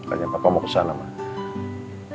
pertanyaan bapak mau kesana mak